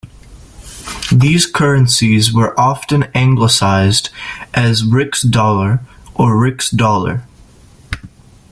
These currencies were often anglicized as rix-dollar or rixdollar.